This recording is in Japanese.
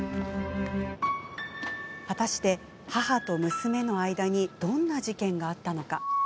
果たして、母と娘の間にどんな事件があったのか。